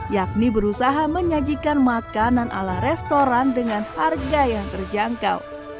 yakni berusaha menyajikan makanan ala restoran dengan harga yang terjangkau